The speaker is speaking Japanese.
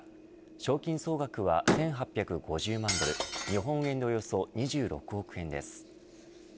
賞金総額は１８５０万ドル日本円でおよそ２６億円です。